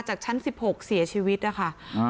จากชั้น๑๖เสียชีวิตนะคะ